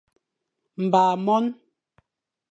Mba mon.